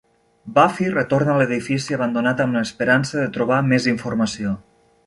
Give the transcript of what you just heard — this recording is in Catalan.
Buffy retorna a l'edifici abandonat amb l'esperança de trobar més informació.